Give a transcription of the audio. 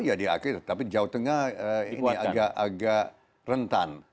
ya di akhir tapi jawa tengah ini agak rentan